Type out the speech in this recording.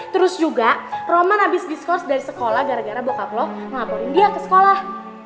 terus juga roman abis diskors dari sekolah gara gara bokap lo ngelaporin dia ke sekolah